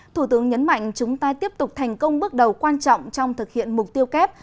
thủ tướng nhấn mạnh chúng ta tiếp tục thành công bước đầu quan trọng trong thực hiện mục tiêu kép